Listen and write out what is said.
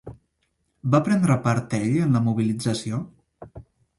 Va prendre part ell en la mobilització?